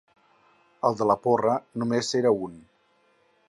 El de la porra només era un.